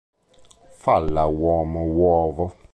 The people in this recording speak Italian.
Falla Uomo uovo!